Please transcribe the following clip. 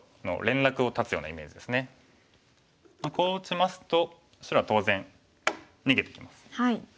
こう打ちますと白は当然逃げてきます。